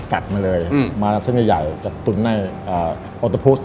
ตัดมาเลยมาเส้นใหญ่จัดตุ้นในออร์โตปุสต์